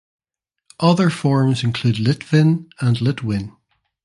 Other forms include Litvin and Litwin.